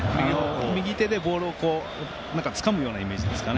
右手でボールをつかむようなイメージです。